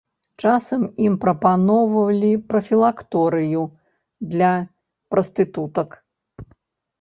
Часам ім прапаноўвалі прафілакторыю для прастытутак.